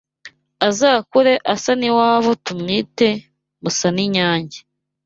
Azakure asa n’iwabo Tumwite Musaninyange